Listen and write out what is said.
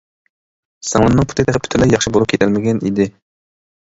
سىڭلىمنىڭ پۇتى تېخى پۈتۈنلەي ياخشى بولۇپ كېتەلمىگەن ئىدى.